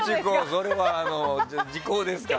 それは時効ですか？